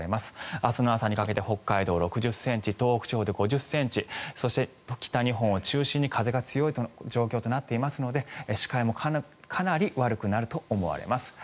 明日の朝にかけて北海道６０ｃｍ東北地方で５０ｃｍそして、北日本を中心に風が強い状況となっていますので視界もかなり悪くなると思われます。